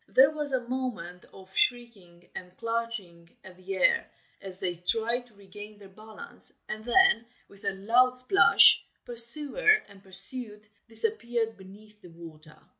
There was a moment of shrieking and clutching at the air, as they tried to regain their balance, and then with a loud splash, pursuer and pursued disappeared beneath the water.